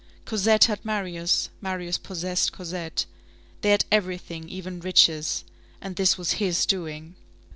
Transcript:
Cosette had Marius, Marius possessed Cosette. They had everything, even riches. And this was his doing.